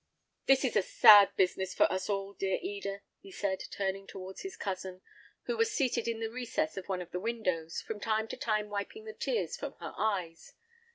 "This is a sad business for us all, dear Eda," he said, turning towards his cousin, who was seated in the recess of one of the windows, from time to time wiping the tears from her eyes.